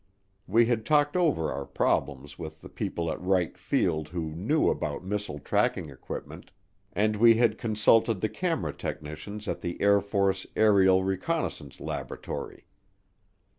We had talked over our problems with the people at Wright Field who knew about missile tracking equipment, and we had consulted the camera technicians at the Air Force Aerial Reconnaissance Laboratory.